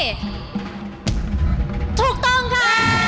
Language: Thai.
ถูกต้องค่ะ